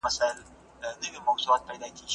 د ټولني پرمختګ بې له سالمه سياسته شونی نه دی.